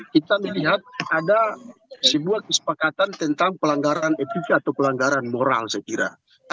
kita melihat ada sebuah kesepakatan tentang pelanggaran etika atau pelanggaran moral saya kira